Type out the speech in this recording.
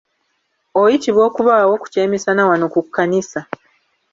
Oyitibwa okubawo ku kyemisana wano ku kkanisa..